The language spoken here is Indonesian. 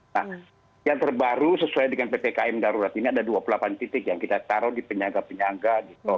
nah yang terbaru sesuai dengan ppkm darurat ini ada dua puluh delapan titik yang kita taruh di penyangga penyangga gitu